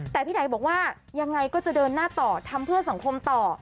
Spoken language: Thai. แต่พี่ไหนบอกว่ายังไงก็จะเดินหน้าต่อทำเพื่อสังคมต่อ